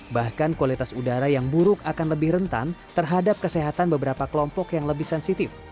bahkan kualitas udara yang buruk akan lebih rentan terhadap kesehatan beberapa kelompok yang lebih sensitif